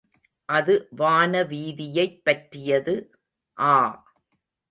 அது வானவீதியைப் பற்றியது. ஆ!